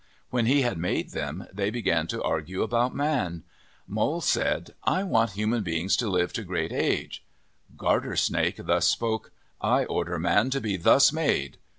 When he had made them, they began to argue about man. Mole said :" I want human beings to live to great age." Garter Snake thus spoke :" I order man to be thus made."